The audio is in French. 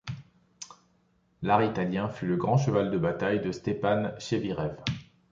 L'art italien fut le grand cheval de bataille de Stepan Chévyrev.